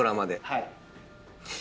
はい。